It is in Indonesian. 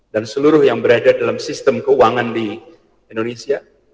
dan seluruh yang berada dalam sistem keuangan di indonesia